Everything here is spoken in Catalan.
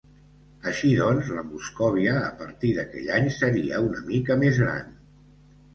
Així doncs, la Moscòvia a partir d'aquell any seria una mica més gran.